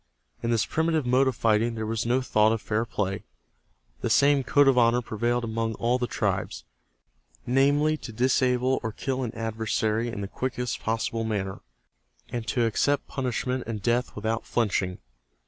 In this primitive mode of fighting there was no thought of fair play. The same code of honor prevailed among all the tribes, namely to disable or kill an adversary in the quickest possible manner, and to accept punishment and death without flinching.